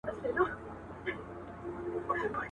ډوډۍ پر مېز هواره شوه.